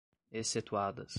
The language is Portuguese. Excetuadas